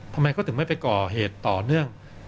ทำไมเขาถึงไม่ไปก่อเหตุต่อเนื่อง